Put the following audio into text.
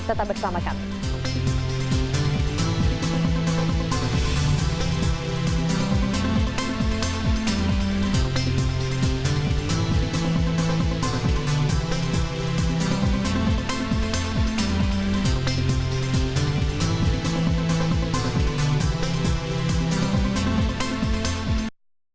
tetap bersama kami